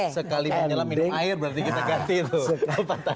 sekali menyelam minum air berarti kita ganti tuh